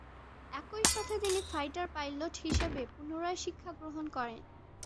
একই সাথে তিনি ফাইটার পাইলট হিসেবে পুনরায় শিক্ষা গ্রহণ শুরু করেন।